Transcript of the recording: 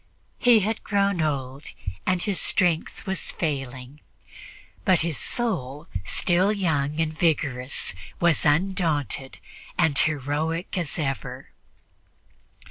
He had grown old, and his strength was failing, but his soul, still young and vigorous, was undaunted and heroic as ever.